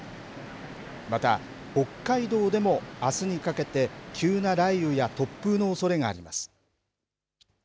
また、北海道でもあすにかけて、急な雷雨や突風のおそれがあります。